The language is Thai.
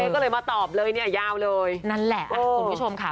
ก็เลยมาตอบเลยเนี่ยยาวเลยนั่นแหละคุณผู้ชมค่ะ